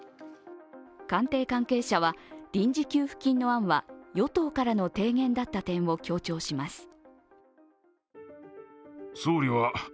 官邸関係者は臨時給付金の案は与党からの提言だった点を強調します。